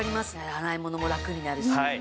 洗い物もラクになるし。